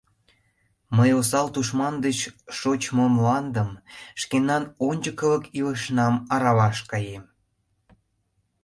Мый осал тушман деч шочмо мландым, шкенан ончыкылык илышнам аралаш каем.